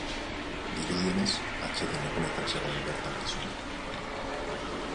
Dirudienez, atseden egunetan zegoen bertan gizona.